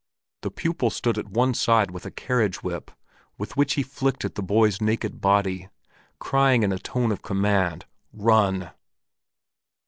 The pupil stood at one side with a carriage whip, with which he flicked at the boy's naked body, crying in a tone of command: "Run!"